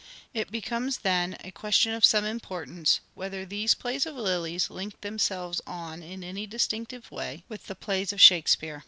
It becomes, then, a question of some importance, whether these plays of Lyiy's link themselves on in any distinctive way with the plays of " Shakespeare."